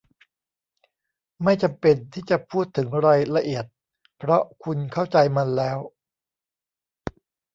ไม่จำเป็นที่จะพูดถึงรายละเอียด เพราะคุณเข้าใจมันแล้ว